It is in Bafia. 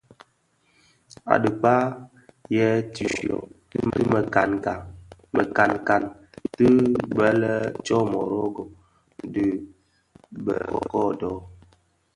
A dhikpää, yè tishyō ti mekankan ti bë lè Ntsomorogo dhi bë ködő.